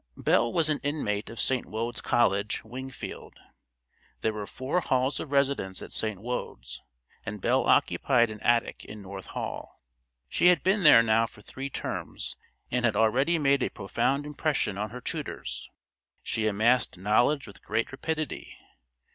Belle was an inmate of St. Wode's College, Wingfield. There were four halls of residence at St. Wode's, and Belle occupied an attic in North Hall. She had been there now for three terms, and had already made a profound impression on her tutors. She amassed knowledge with great rapidity.